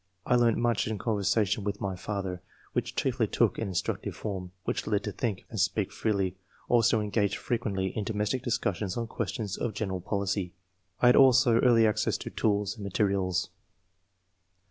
I learnt much in conversation with my father, which chiefly took an instructive form. Was led to think and speak freely, also to engage frequently in domestic discussions on questions of general policy. I had also early access to tools and materials.''